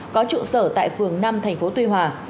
có trụ sở tại phường năm tp tuy hòa